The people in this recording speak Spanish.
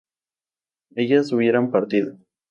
¿ellas hubieran partido?